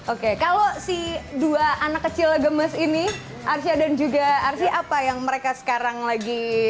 oke kalau si dua anak kecil gemes ini arsya dan juga arsy apa yang mereka sekarang lagi